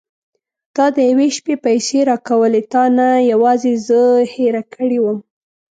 تا د یوې شپې پيسې راکولې تا نه یوازې زه هېره کړې وم.